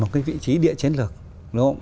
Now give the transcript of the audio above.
nằm ở cái vị trí địa chiến lược đúng không